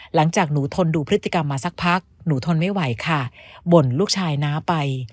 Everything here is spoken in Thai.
หลังจากหนูทนดูพฤติกรรมมาสักพักหนูทนไม่ไหวค่ะบ่นลูกชายน้าไป